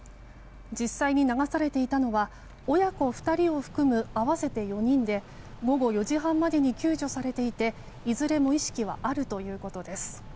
実際に流されていたのは親子２人を含む合わせて４人で午後４時半までに救助されていていずれも意識はあるということです。